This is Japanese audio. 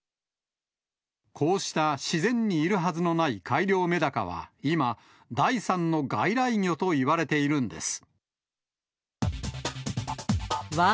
こうした自然にいるはずのない改良メダカは今、第３の外来魚といわれているんです。